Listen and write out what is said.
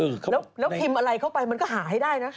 แล้วพิมพ์อะไรเข้าไปมันก็หาให้ได้นะคะ